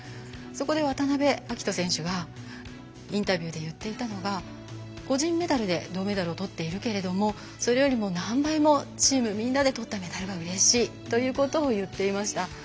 そこで渡部暁斗選手がインタビューで言っていたのが個人メダルで銅メダルをとっているけれどもそれよりも何倍もチームみんなでとったメダルがうれしいということを言っていました。